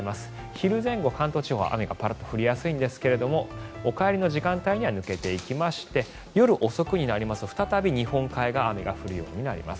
昼前後、関東地方は雨がパラッと降りやすいんですがお帰りの時間帯には抜けていきまして夜遅くになりますと再び日本海側が雨が降るようになります。